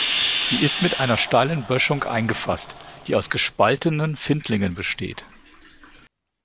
Sie ist mit einer steilen Böschung eingefasst, die aus gespaltenen Findlingen besteht.